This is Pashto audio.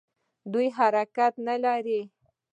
دوی حرکت نه لري.